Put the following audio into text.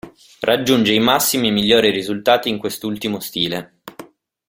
Raggiunge i massimi e migliori risultati in quest'ultimo stile.